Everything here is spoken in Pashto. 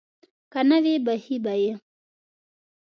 که نه وي بښي به یې.